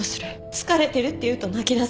疲れてるって言うと泣きだす。